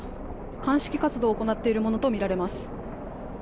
鑑識活動を行っているものとみられます。